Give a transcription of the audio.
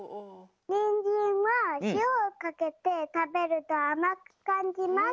にんじんは塩をかけて食べるとあまくかんじます。